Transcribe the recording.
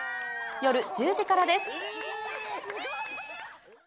夜１０時からです。